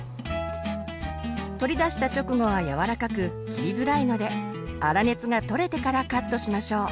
取り出した直後は柔らかく切りづらいので粗熱がとれてからカットしましょう。